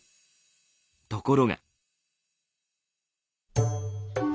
ところが。